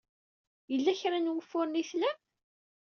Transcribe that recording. Yella kra n wufuren ay tlam?